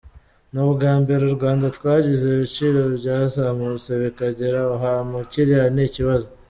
Ni ubwa mbere u Rwanda twagize ibiciro byazamutse bikagera aho hantu, kiriya ni ikibazo.